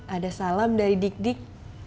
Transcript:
ada salam dari dik dik